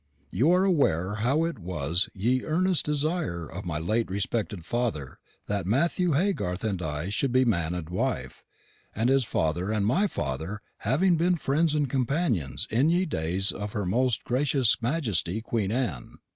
You are aware how it was ye earnest desire of my late respected father that Mathew Haygarth and I shou'd be man and wife, his father and my father haveing bin friends and companions in ye days of her most gracious majesty Queen Anne.